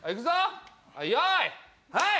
はい。